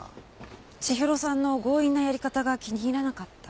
千尋さんの強引なやり方が気に入らなかった？